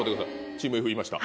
チームＦいました